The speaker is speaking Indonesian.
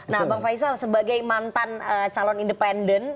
nah bang faisal sebagai mantan calon independen